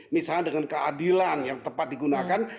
misalnya dengan keadilan yang tepat digunakan